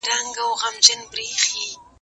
زه به د ښوونځي کتابونه مطالعه کړي وي!!